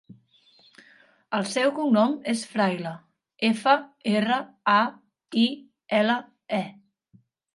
El seu cognom és Fraile: efa, erra, a, i, ela, e.